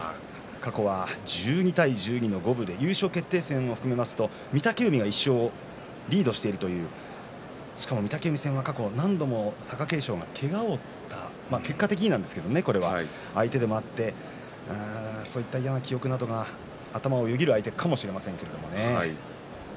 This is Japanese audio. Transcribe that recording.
過去は１２対１２の五分で優勝決定戦を含めますと御嶽海が１勝リードしているというしかも御嶽海戦は過去何度も貴景勝けがを負った結果的になんですがそういう相手でそういう嫌な記憶が頭によぎる相手かもしれませんね。